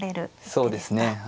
そうですね。